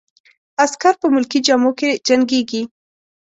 عسکر په ملکي جامو کې جنګیږي.